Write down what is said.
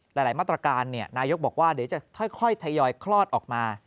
หลายมาตรการนายกบอกว่าเดี๋ยวจะค่อยทยอยคลอดออกมา